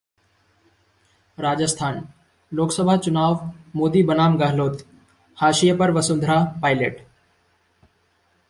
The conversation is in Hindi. राजस्थानः लोकसभा चुनाव मोदी बनाम गहलोत, हाशिये पर वसुंधरा-पायलट